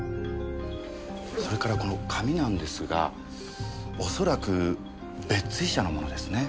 それからこの紙なんですが恐らくベッツィー社のものですね。